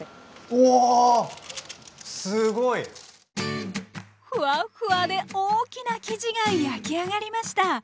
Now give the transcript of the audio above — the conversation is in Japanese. おすごい！フワフワで大きな生地が焼き上がりました。